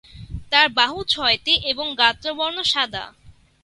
তার বাহু ছয়টি এবং গাত্রবর্ণ সাদা।